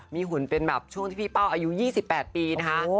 มีหุ่นเป็นแบบช่วงที่พี่เป้าอายุ๒๘ปีนะคะ